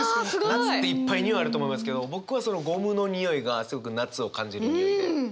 夏っていっぱいにおいあると思いますけど僕はそのゴムのにおいがすごく夏を感じるにおいで。